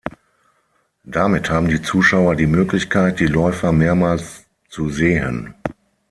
Damit haben die Zuschauer die Möglichkeit, die Läufer mehrmals zu sehen.